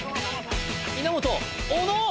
稲本小野！